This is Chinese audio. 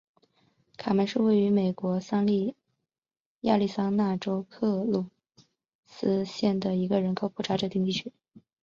卡门是位于美国亚利桑那州圣克鲁斯县的一个人口普查指定地区。